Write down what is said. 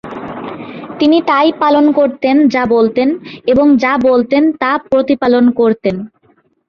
তিনি তাই পালন করতেন যা বলতেন, এবং যা বলতেন তা প্রতিপালন করতেন।